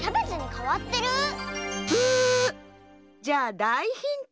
じゃあだいヒント。